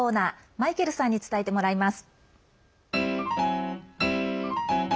マイケルさんに伝えてもらいます。